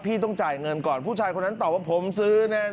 พี่ต้องจ่ายเงินก่อนผู้ชายคนนั้นตอบว่าผมซื้อแน่